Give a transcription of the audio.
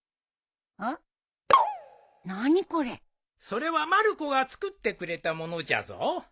それはまる子が作ってくれた物じゃぞ。